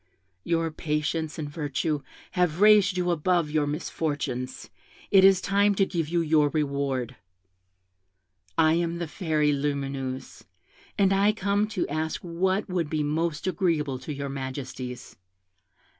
Your patience and virtue have raised you above your misfortunes: it is time to give you your reward. I am the Fairy Lumineuse, and I come to ask what would be most agreeable to your majesties.